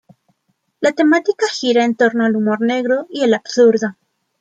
La temática gira en torno al humor negro y el absurdo.